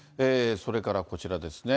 それからこちらですね。